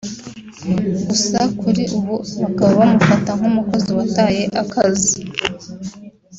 gusa kuri ubu bakaba bamufata nk’umukozi wataye akazi